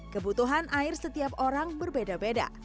kebutuhan air setiap orang berbeda beda